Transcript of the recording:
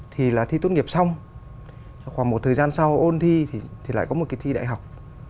thì là thi tốt nghiệp xong khoảng một thời gian sau ôn thi thì lại có một cái thi đại học